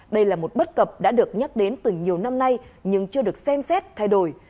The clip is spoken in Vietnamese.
đây là một bất cập đã được nhắc đến từ nhiều năm nay nhưng chưa được xem xét thay đổi